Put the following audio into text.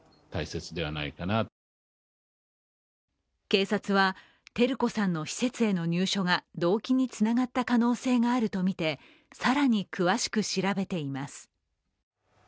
警察は照子さんの施設への入所が動機につながった可能性があるとみて更に詳しく調べています。